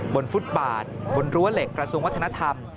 ฟุตบาทบนรั้วเหล็กกระทรวงวัฒนธรรม